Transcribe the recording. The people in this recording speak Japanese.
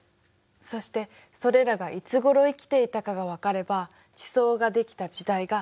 そしてそれらがいつごろ生きていたかがわかれば地層ができた時代が大体わかる。